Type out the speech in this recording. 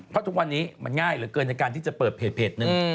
เพราะทุกวันนี้มันง่ายเหลือเกินในการที่จะเปิดเพจหนึ่ง